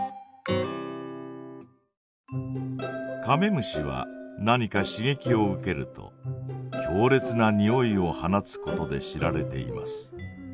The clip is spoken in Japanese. カメムシは何かしげきを受けるときょうれつなにおいを放つことで知られています。